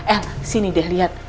eh sini deh liat